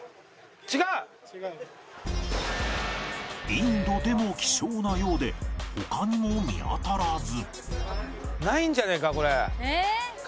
インドでも希少なようで他にも見当たらず